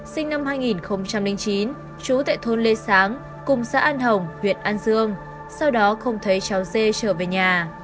sinh năm hai nghìn chín chú tại thôn lê sáng cùng xã an hồng huyện an dương sau đó không thấy cháu dê trở về nhà